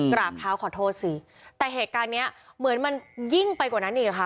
กราบเท้าขอโทษสิแต่เหตุการณ์เนี้ยเหมือนมันยิ่งไปกว่านั้นอีกค่ะ